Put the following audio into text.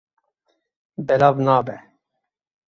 Belav nabe.